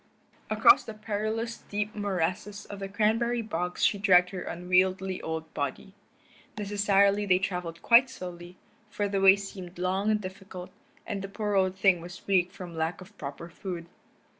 Across the perilous deep morasses of the cranberry bogs she dragged her unwieldy old body. Necessarily they traveled quite slowly, for the way seemed long and difficult, and the poor old thing was weak from lack of proper food.